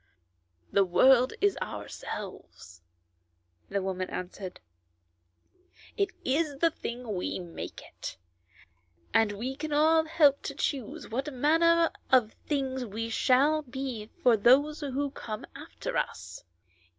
" The world is ourselves," the woman answered ; "it is the thing we make it, and we can all help to choose what manner of thing it shall be for those who come after us.